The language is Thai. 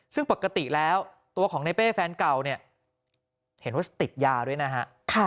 ซึ่งปกติแล้วตัวของในเป้แฟนเก่าเนี่ยเห็นว่าติดยาด้วยนะฮะ